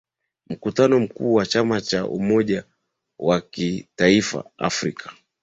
Mkutano mkuu wa chama cha umoja wa kitaifa Afrika